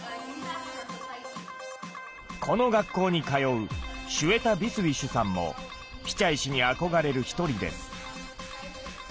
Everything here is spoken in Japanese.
この学校に通うシュウェタ・ビスウィシュさんもピチャイ氏に憧れる一人です。